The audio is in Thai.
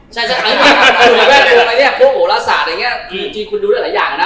ใช่ใช่พวกโหลาศาสตร์จริงคุณดูหลายอย่างนะ